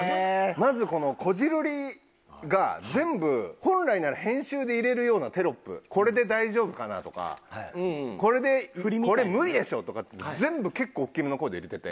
まずこのこじるりが全部本来なら編集で入れるようなテロップ「これで大丈夫かな？」とか「これ無理でしょ！」とかって全部結構大きめの声で入れてて。